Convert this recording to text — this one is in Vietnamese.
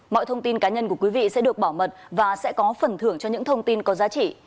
mọi thông tin cá nhân của quý vị sẽ được bảo mật và sẽ có phần thưởng cho những thông tin có giá trị